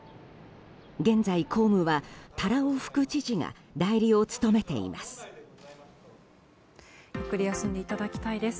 現在、公務は多羅尾副知事が代理を務めています。